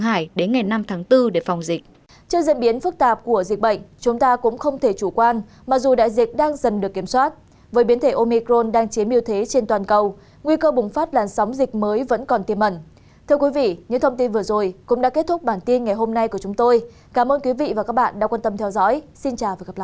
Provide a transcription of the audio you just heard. hãy đăng kí cho kênh lalaschool để không bỏ lỡ những video hấp dẫn